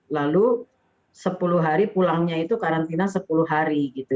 lalu sepuluh hari pulangnya itu karantina sepuluh hari gitu